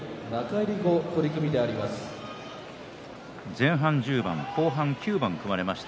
前半１０番後半９番組まれました